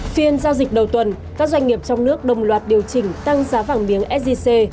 phiên giao dịch đầu tuần các doanh nghiệp trong nước đồng loạt điều chỉnh tăng giá vàng miếng sgc